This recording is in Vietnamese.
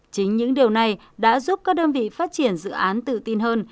chính những điều này đã giúp các đơn vị phát triển dự án tự tin hơn